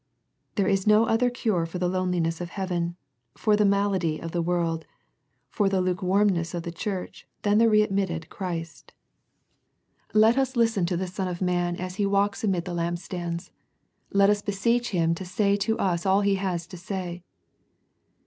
There is no other cure for the loneliness of heaven, for the mal ady of the world, for the lukewarmness of the Church than the readmitted Christ. The Laodicea Letter 217 Let us listen to the Son of man as He walks amid the lampstands. Let us beseech Him to say to us all He has to say.